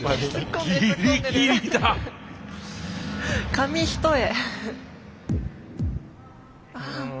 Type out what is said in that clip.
紙一重。